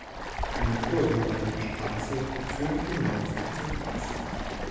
Eine Kurvenreiche Straße führt hinauf zum Pass.